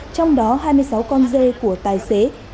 trong đó hai mươi sáu con dê của tài xế